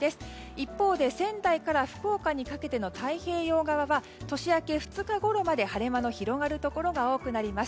一方で仙台から福岡にかけての太平洋側は年明け、２日ごろまで晴れ間の広がるところが多くなります。